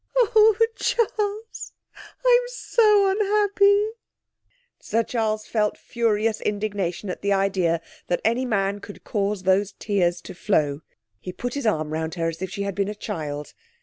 'Oh, Charles, I'm so unhappy.' Sir Charles felt furious indignation at the idea that any man could cause those tears to flow. He put his arm round her as if she had been a child.